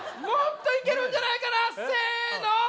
もっといけるんじゃないかな？せの！